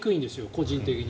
個人的に。